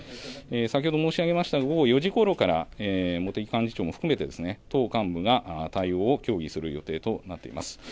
先ほど申し上げました午後４時ごろから茂木幹事長も含めてですね党幹部が、対応を協議する予定となっています。